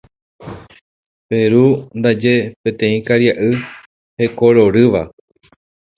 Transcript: Peru ndaje peteĩ karia'y hekororýva.